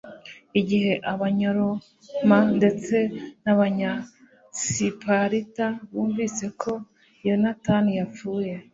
igihe abanyaroma ndetse n'abanyasiparita bumvise ko yonatani yapfuye